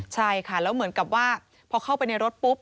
ใช่ค่ะแล้วเหมือนกับว่าพอเข้าไปในรถปุ๊บ